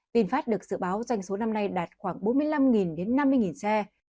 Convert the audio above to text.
vinfast được dự báo doanh số năm nay đạt khoảng bốn mươi năm đến năm mươi xe